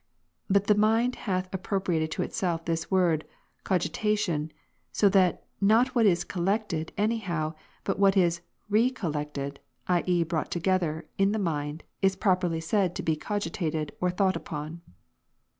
But the mind hath appropriated to itself this word (cogitation), so that, not what is "collected" anyhow, but what is "recollected," i.e. brought together, in the mind, is properly said to be cogitated, or thought upon.